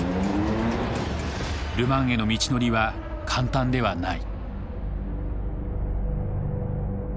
ル・マンへの道のりは簡単ではない。